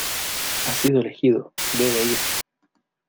Ha sido elegido. Debe ir .